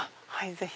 ぜひ。